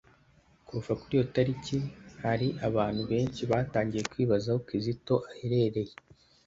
Kuva kuri iyo talike hari abantu benshi batangiye kwibaza aho Kizito aherereye,